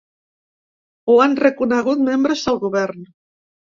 Ho han reconegut membres del govern.